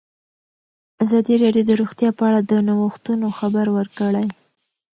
ازادي راډیو د روغتیا په اړه د نوښتونو خبر ورکړی.